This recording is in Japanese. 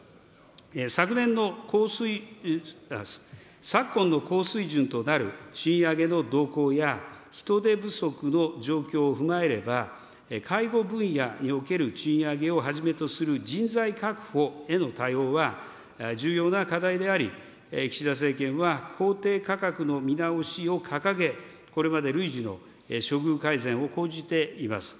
昨年の、さっこんの高水準となる賃上げの動向や、人手不足の状況を踏まえれば、介護分野における賃上げをはじめとする人材確保への対応は、重要な課題であり、岸田政権は、公定価格の見直しを掲げ、これまで累次の処遇改善を講じています。